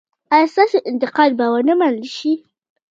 ایا ستاسو انتقاد به و نه منل شي؟